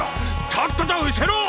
とっとと失せろ！